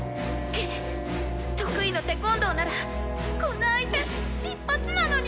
「くっ得意のテコンドーならこんな相手一発なのに！」。